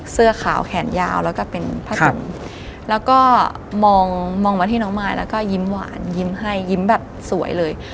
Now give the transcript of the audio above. เสื้อขาวแขนยาวแล้วก็เป็นผ้าถุงแล้วก็มองมองมาที่น้องมายแล้วก็ยิ้มหวานยิ้มให้ยิ้มแบบสวยเลย